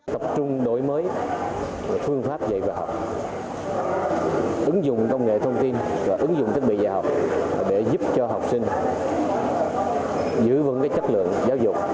tập trung đổi mới phương pháp dạy và học ứng dụng công nghệ thông tin và ứng dụng thiết bị dạy học để giúp cho học sinh giữ vững chất lượng giáo dục